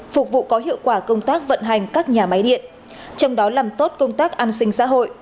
phục vụ có hiệu quả công tác vận hành các nhà máy điện trong đó làm tốt công tác an sinh xã hội